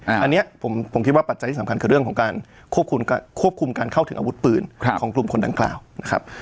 อันนี้ผมคิดว่าปัจจัยที่สำคัญคือเรื่องของการควบคุมการเข้าถึงอาวุธปืนของกลุ่มคนดังกล่าวนะครับ